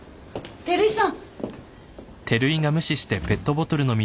照井さん？